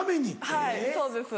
はいそうです。